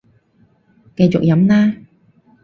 繼續飲啦